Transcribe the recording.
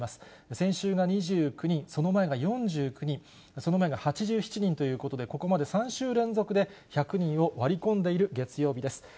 先週が２９人、その前が４９人、その前が８７人ということで、ここまで３週連続で１００人を割り込んでいる月曜日です。